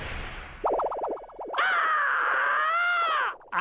あ！